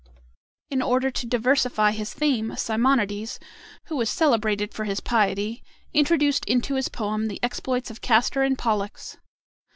In order to diversify his theme, Simonides, who was celebrated for his piety, introduced into his poem the exploits of Castor and Pollux.